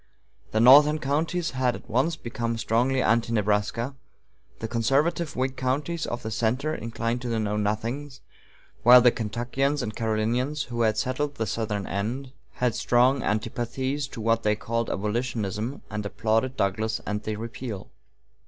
The northern counties had at once become strongly Anti Nebraska; the conservative Whig counties of the center inclined to the Know Nothings; while the Kentuckians and Carolinians, who had settled the southern end, had strong antipathies to what they called abolitionism, and applauded Douglas and repeal.